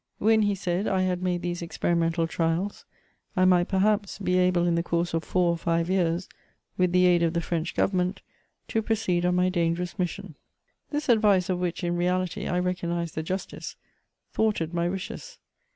When, he said, I had made these experimental trials, I might, perhaps, be able in the course of four or five years, with the aid of the French government, to proceed on my dangerous mission. This advice, of which, in reality, I recognised the justice, thwarted my wishes.